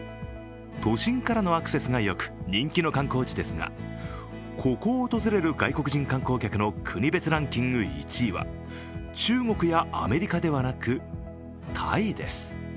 都心からのアクセスがよく人気の観光地ですがここを訪れる外国人観光客の国別ランキング１位は中国やアメリカではなく、タイです。